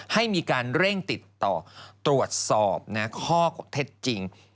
ให้มีการเร่งติดต่อตรวจสอบข้อเท็จจริง